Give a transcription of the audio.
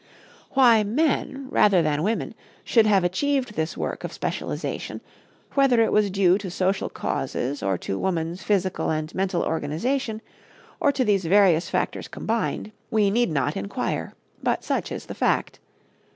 Why men, rather than women, should have achieved this work of specialization; whether it was due to social causes or to woman's physical and mental organization, or to these various factors combined, we need not inquire; but such is the fact.